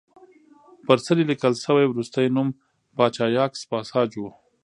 پر څلي لیکل شوی وروستی نوم پاچا یاکس پاساج و